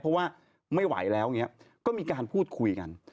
เพราะว่าไม่ไหวแล้วอย่างนี้ก็มีการพูดคุยกัน